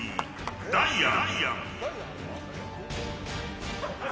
ダイアン。